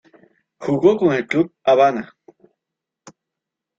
Jugó con el club Habana.